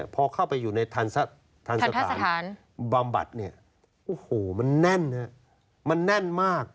เพราะพอเข้าไปอยู่ในฎรภัณฑ์บำบัดเนี่ยมันเน่นมันเน่นมาก